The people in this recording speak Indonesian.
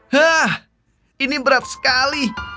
hah ini berat sekali